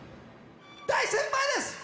大先輩です